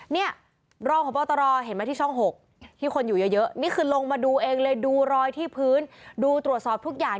เนี่ยรองพบตรเห็นไหมที่ช่อง๖ที่คนอยู่เยอะนี่คือลงมาดูเองเลยดูรอยที่พื้นดูตรวจสอบทุกอย่าง